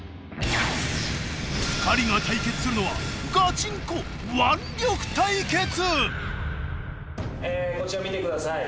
２人が対決するのはガチンコこちら見てください。